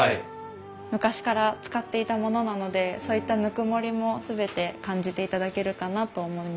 昔から使っていたものなのでそういったぬくもりも全て感じていただけるかなと思いました。